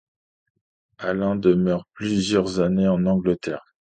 Alan demeure plusieurs années en Angleterre.